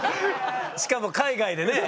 しかも海外でね。